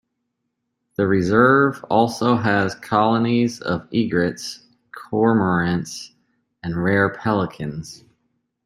The reserve also has colonies of egrets, cormorants, and rare pelicans.